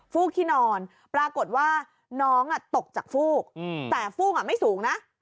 ฟูกที่นอนปรากฏว่าน้องตกจากฟูกแต่ฟูกไม่สูงนะ